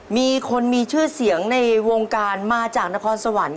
มีคนมีชื่อเสียงในวงการมาจากนครสวรรค์